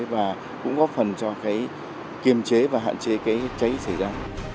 và cũng góp phần cho kiềm chế và hạn chế cháy xảy ra